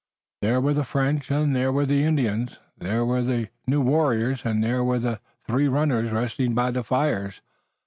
There were the French, and there were the Indians. There were the new warriors, and there were the three runners resting by the fires.